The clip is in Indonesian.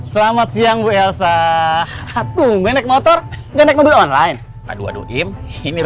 selamat siang gue elsa hatu menek motor dan nek mobil online aduh aduh game ini